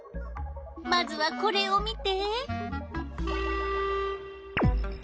まずはこれを見て！